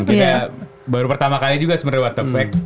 kita baru pertama kali juga sebenernya what the fact